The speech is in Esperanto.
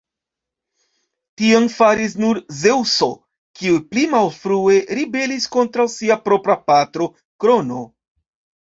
Tion faris nur Zeŭso, kiu pli malfrue ribelis kontraŭ sia propra patro, Krono.